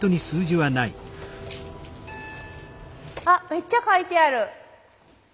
あっめっちゃ書いてある。